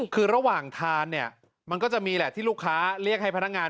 คือระหว่างทานเนี่ยมันก็จะมีแหละที่ลูกค้าเรียกให้พนักงาน